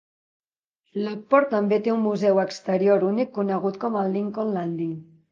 Lockport també té un museu exterior únic conegut com el Lincoln Landing.